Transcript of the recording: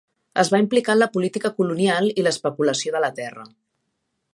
Es va implicar en la política colonial i l'especulació de la terra.